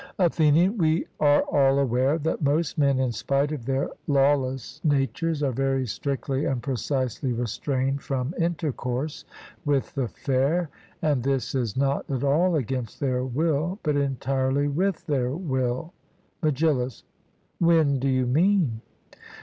ATHENIAN: We are all aware that most men, in spite of their lawless natures, are very strictly and precisely restrained from intercourse with the fair, and this is not at all against their will, but entirely with their will. MEGILLUS: When do you mean?